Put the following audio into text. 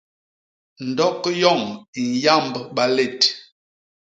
Ndok yoñ i nyamb balét.